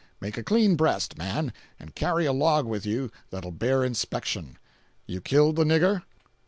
Make a clean breast, man, and carry a log with you that'll bear inspection. You killed the nigger?"